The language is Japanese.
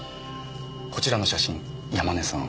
こちらの写真山根さん